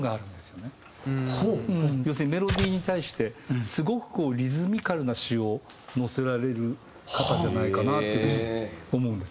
要するにメロディーに対してすごくリズミカルな詞をのせられる方じゃないかなというふうに思うんですね。